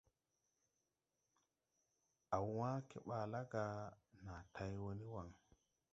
A wãã keɓaa la ga na tay wo ni waŋ.